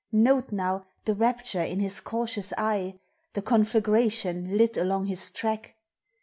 Note now the rapture in his cautious eye, The conflagration lit along his track.